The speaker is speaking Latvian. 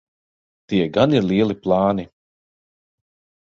Tie gan ir lieli plāni.